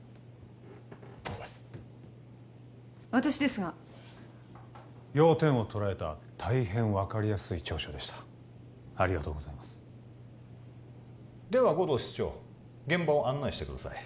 おいっ私ですが要点を捉えた大変分かりやすい調書でしたありがとうございますでは護道室長現場を案内してください